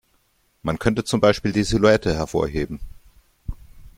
Man könnte zum Beispiel die Silhouette hervorheben.